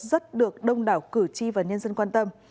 rất được đông đảo cử tri và nhân dân quan tâm